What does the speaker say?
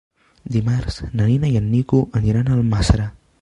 Dimarts na Nina i en Nico aniran a Almàssera.